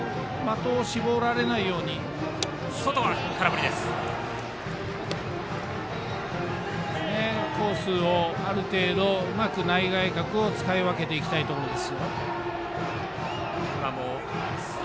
的を絞られないようにコースをある程度うまく内外角を使い分けていきたいところです。